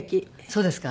そうですか？